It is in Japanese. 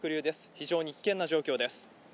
非常に危険な状態です。